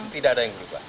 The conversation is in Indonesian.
tidak ada yang berubah